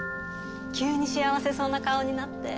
急に幸せそうな顔になって。